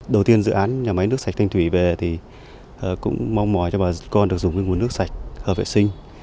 đầu tiên dự án nhà máy nước sạch thanh thủy về thì cũng mong mỏi cho bà con được dùng cái nguồn nước sạch hợp vệ sinh